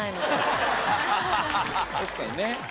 確かにね